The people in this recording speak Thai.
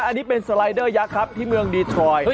อันนี้เป็นสไลเดอร์ยักษ์ครับที่เมืองดีทอย